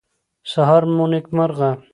سهار مو نیکمرغه.